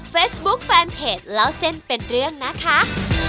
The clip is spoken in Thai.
เฟซบุ๊คแฟนเพจเล่าเส้นเป็นเรื่องนะคะ